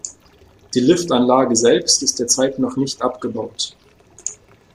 Die Liftanlage selbst ist derzeit noch nicht abgebaut.